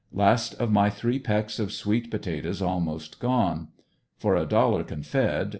Last of my three pecks of sweet potatoes almost gone. For a dollar, Confed.